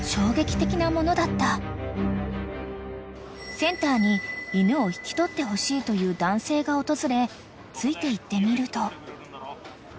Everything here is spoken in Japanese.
［センターに犬を引き取ってほしいという男性が訪れついていってみると］